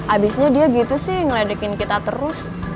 abisnya dia gitu sih ngeledekin kita terus